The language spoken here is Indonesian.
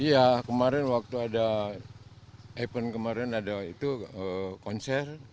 iya kemarin waktu ada event kemarin ada itu konser